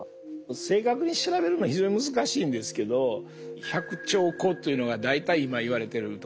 正確に調べるの非常に難しいんですけど１００兆個というのが大体今いわれてるところですね。